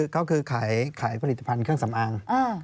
เขาคือขายผลิตภัณฑ์เครื่องสำอาง